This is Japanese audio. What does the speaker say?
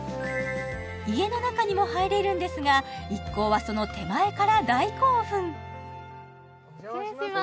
家の中にも入れるんですが一行はその手前から大興奮失礼します